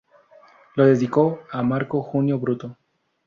Lo dedicó a Marco Junio Bruto.